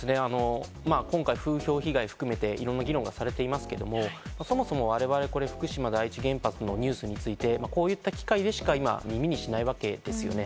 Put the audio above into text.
今回、風評被害含めていろいろ議論されていますけれども、そもそも我々、福島第一原発のニュースについて、こういった機会でしか、今、耳にしないわけですね。